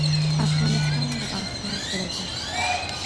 افغانستان د اسیا زړه ده